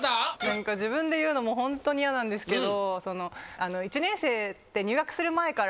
自分で言うのもホントに嫌なんですけど。